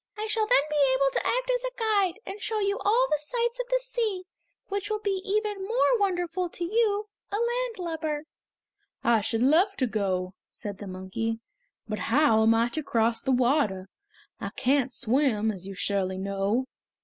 I shall then be able to act as guide and show you all the sights of the sea, which will be even more wonderful to you a land lubber." "I should love to go," said the monkey, "but how am I to cross the water? I can't swim, as you surely know!"